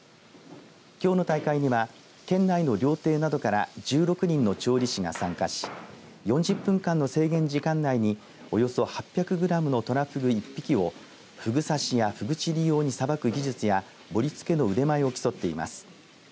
きょうの大会には県内の料亭などから１６人の調理師が参加し４０分間の制限時間内におよそ８００グラムのとらふぐ１匹をふぐさしやふぐちり用にさばく技術や盛りつけの腕前を競っています。